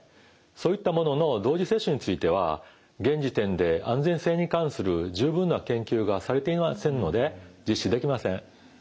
そういったものの同時接種については現時点で安全性に関する十分な研究がされていませんので実施できません。